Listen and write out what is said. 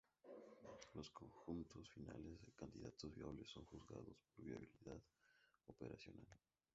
Los conjuntos finales de los candidatos viables son juzgados por la viabilidad operacional.